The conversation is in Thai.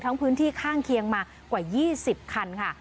พื้นที่ข้างเคียงมากว่า๒๐คันค่ะ